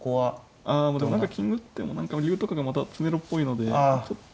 あもうでも金打っても竜とかがまた詰めろっぽいのでちょっと。